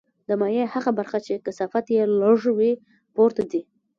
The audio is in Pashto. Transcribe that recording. د مایع هغه برخه چې کثافت یې لږ وي پورته ځي.